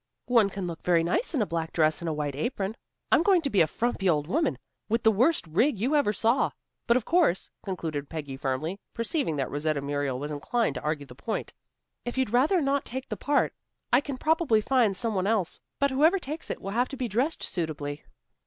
"One can look very nice in a black dress and a white apron. I'm going to be a frumpy old woman, with the worst rig you ever saw. But of course," concluded Peggy firmly, perceiving that Rosetta Muriel was inclined to argue the point, "If you'd rather not take the part, I can probably find some one else. But whoever takes it, will have to be dressed suitably."